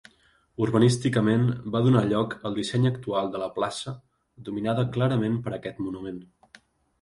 Urbanísticament va donar lloc al disseny actual de la plaça dominada clarament per aquest monument.